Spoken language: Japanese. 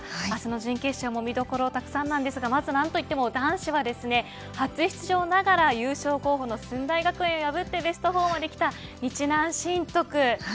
明日の準決勝も見どころがたくさんですがまず何といっても男子は初出場ながら優勝候補の駿台学園を破ってベスト４まで来た日南振徳。